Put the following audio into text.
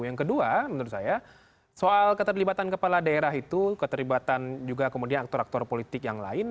yang kedua menurut saya soal keterlibatan kepala daerah itu keterlibatan juga kemudian aktor aktor politik yang lain